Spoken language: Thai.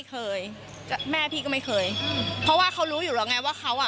ไม่เคยแม่พี่ก็ไม่เคยเพราะว่าเค้ารู้อยู่แล้วไงว่าเค้าอ่ะ